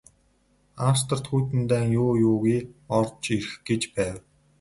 Австрид Хүйтэн дайн юу юугүй орж ирэх гэж байв.